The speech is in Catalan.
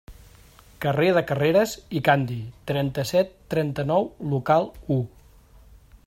Carrer de Carreres i Candi, trenta-set trenta-nou, local u.